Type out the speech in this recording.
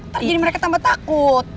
tadi jadi mereka tambah takut